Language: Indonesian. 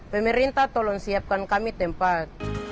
pemerintah tolong siapkan kami tempat